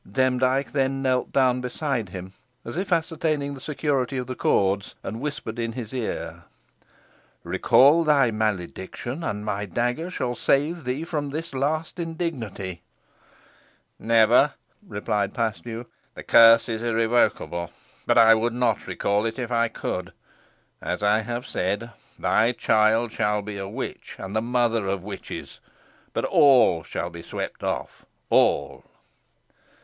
Demdike then knelt down beside him, as if ascertaining the security of the cords, and whispered in his ear: "Recall thy malediction, and my dagger shall save thee from the last indignity." "Never," replied Paslew; "the curse is irrevocable. But I would not recall it if I could. As I have said, thy child shall be a witch, and the mother of witches but all shall be swept off all!"